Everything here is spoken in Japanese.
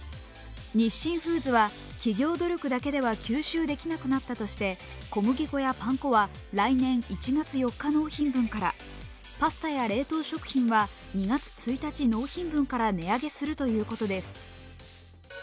日清フーズは企業努力だけでは吸収できなくなったとして小麦粉やパン粉は来年１月４日納品分からパスタや冷凍食品は２月１日納品分から値上げするということです。